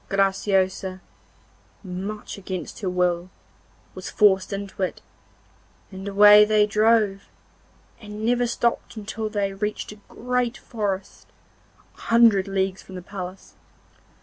Graciosa, much against her will, was forced into it, and away they drove, and never stopped until they reached a great forest, a hundred leagues from the palace.